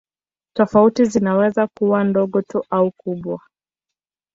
Tofauti zinaweza kuwa ndogo tu au kubwa.